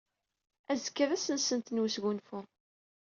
Azekka d ass-nsent n wesgunfu.